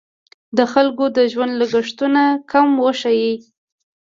د خلکو د ژوند لګښتونه کم وښیي.